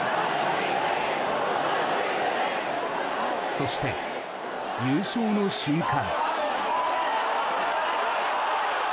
そして、優勝の瞬間。